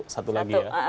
satu lagi ya